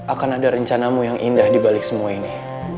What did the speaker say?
akan ada rencanamu yang indah dibalik semua ini